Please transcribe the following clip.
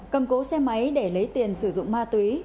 cầm cố xe máy để lấy tiền sử dụng ma túy